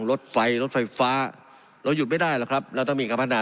รถไฟรถไฟฟ้าเราหยุดไม่ได้หรอกครับเราต้องมีการพัฒนา